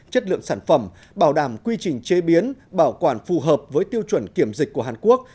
chất lượng sản phẩm bảo đảm quy trình chế biến bảo quản phù hợp với tiêu chuẩn kiểm dịch của hàn quốc